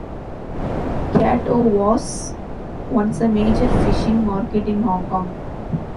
Kat O was once a major fishing market in Hong Kong.